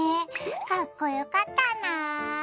かっこよかったなぁ。